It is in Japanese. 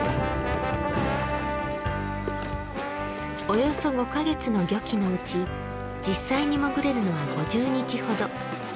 およそ５か月の漁期のうち実際に潜れるのは５０日ほど。